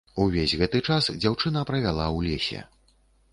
Увесь гэты час дзяўчына правяла ў лесе.